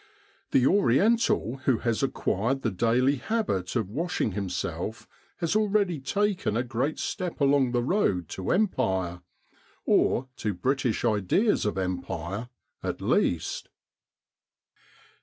The Oriental who has acquired the daily habit of washing himself has already taken a great step along the road to Empire or to British ideas of Empire, at least.